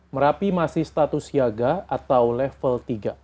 merapi masih status siaga atau level tiga